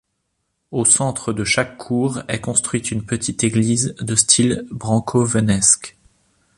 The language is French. Au centre de chaque cour est construite une petite église de style Brâncovenesc.